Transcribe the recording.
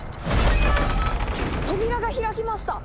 扉が開きました！